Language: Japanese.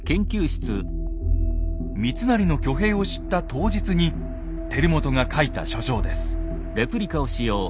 三成の挙兵を知った当日に輝元が書いた書状です。